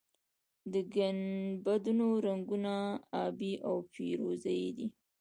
د ګنبدونو رنګونه ابي او فیروزه یي دي.